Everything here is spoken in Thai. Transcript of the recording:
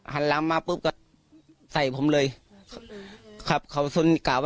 หันลำมาปุ๊บก็ใส่ผมเลยขับเขาเสียงมาแล้ว